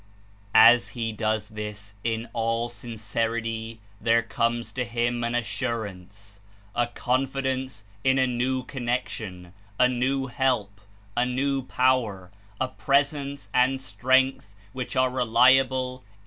As he does this In all sincerity, there comes to him an assurance, a confidence In a new connection, a new help, a new power, a presence and strength which are reliable.